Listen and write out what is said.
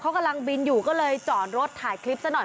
เขากำลังบินอยู่ก็เลยจอดรถถ่ายคลิปซะหน่อย